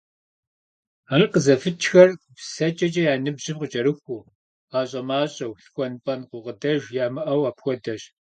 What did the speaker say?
Ар къызэфыкӀхэр гупсысэкӀэкӀэ я ныбжьым къыкӀэрыхуу, гъащӀэ мащӀэу, лъхуэн-пӀэн гукъыдэж ямыӀэу апхуэдэщ.